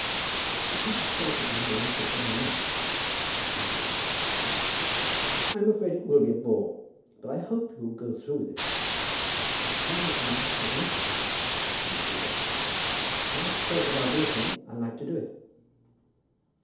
"I cannot say that I like it very much," said Miss Van Siever. "I'm afraid it will be a bore; but I hope you'll go through with it." "I shall if I am not prevented," said Miss Van Siever. "When I've said that I'll do a thing, I like to do it."